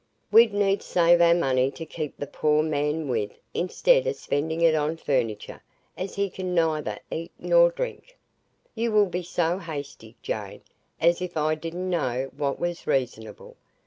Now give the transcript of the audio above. We'd need save our money to keep the poor man with, instead o' spending it on furniture as he can neither eat nor drink. You will be so hasty, Jane, as if I didn't know what was reasonable."